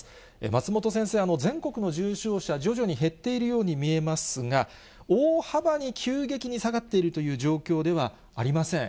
松本先生、全国の重症者、徐々に減っているように見えますが、大幅に急激に減っているという状況ではありません。